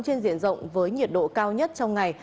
trên diện rộng với nhiệt độ cao nhất trong ngày